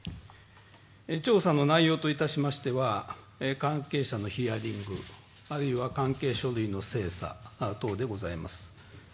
調査の内容といたしましては、関係者のヒアリング、あるいは関係書類の精査等でございます。